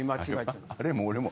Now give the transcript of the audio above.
あれも俺も。